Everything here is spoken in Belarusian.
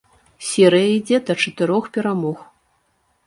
Серыя ідзе да чатырох перамог.